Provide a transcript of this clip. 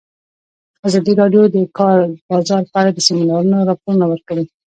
ازادي راډیو د د کار بازار په اړه د سیمینارونو راپورونه ورکړي.